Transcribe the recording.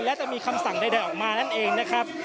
และจะมีคำสั่งใดออกมานั่นเองนะครับ